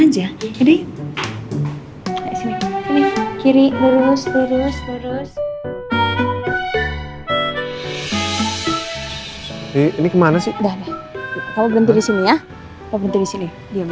jusnya ini buka dulu